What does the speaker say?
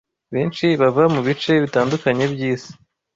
benshi bava mu bice bitandukanye by’isi